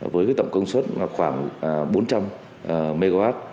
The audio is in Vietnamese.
với tổng công suất khoảng bốn trăm linh mw